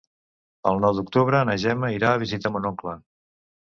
El nou d'octubre na Gemma irà a visitar mon oncle.